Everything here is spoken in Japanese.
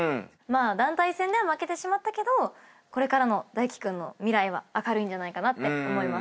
団体戦では負けてしまったけどこれからの泰輝君の未来は明るいんじゃないかなって思います。